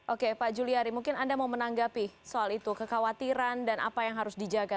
oke pak juliari mungkin anda mau menanggapi soal itu kekhawatiran dan apa yang harus dijaga